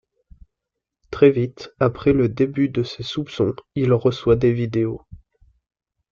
Très vite, après le début de ses soupçons, il reçoit des vidéos.